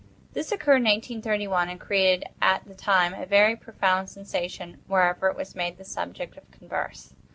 This occurred in 1831, and created, at the time, a very profound sensation wherever it was made the subject of converse.